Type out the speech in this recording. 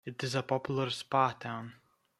It is a popular Spa town.